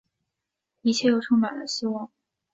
一切又充满了希望